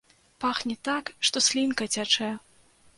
Пахне так, што слінка цячэ!